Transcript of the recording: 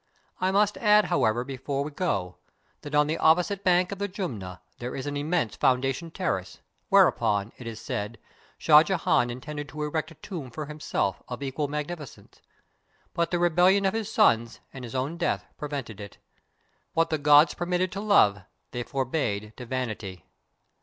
I must add, however, before we go, that on the opposite bank of the Jumna there is an immense foundation terrace, whereon, it is said, Shah Jehan intended to erect a tomb for himself, of equal magnificence, but the rebellion of his sons, and his own death, prevented it. What the gods permitted to Love, they forbade to Vanity.